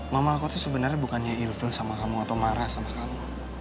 mama aku tuh sebenarnya bukannya ilfon sama kamu atau marah sama kamu